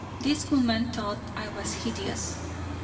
This woman thought I was hideous.